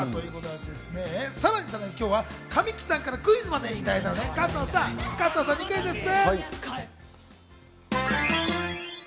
さらに今日は神木さんからクイズもいただきましたので、加藤さんにクイズッス！